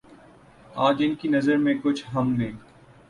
آج ان کی نظر میں کچھ ہم نے